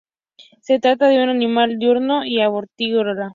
Se trata de un animal diurno y arborícola.